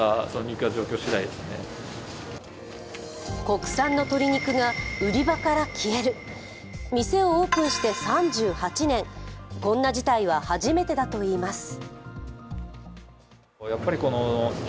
国産の鶏肉が売り場から消える店をオープンして３８年、こんな事態は初めてだといいます。